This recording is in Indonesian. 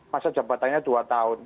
masa jabatannya dua tahun